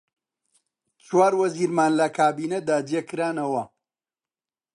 چوار وەزیرمان لە کابینەدا جێ کرانەوە: